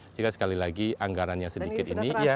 sehingga sekali lagi anggaran yang sedikit ini